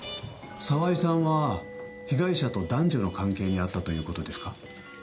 澤井さんは被害者と男女の関係にあったという事ですか？